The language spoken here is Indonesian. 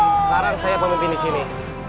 sekarang saya pemimpin disini